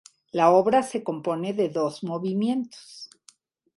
La obra se compone de dos movimientos.